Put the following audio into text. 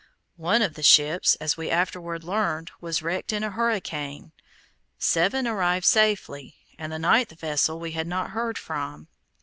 One of the ships, as we afterward learned, was wrecked in a hurricane; seven arrived safely, and the ninth vessel we had not heard from.